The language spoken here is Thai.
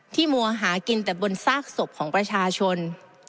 มัวหากินแต่บนซากศพของประชาชน